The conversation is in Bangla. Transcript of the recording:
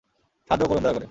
সাহায্য করুন দয়া করে।